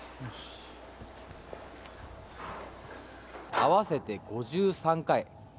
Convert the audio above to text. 合わせて５３回。